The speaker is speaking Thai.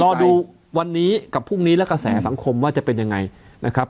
รอดูวันนี้กับพรุ่งนี้และกระแสสังคมว่าจะเป็นยังไงนะครับ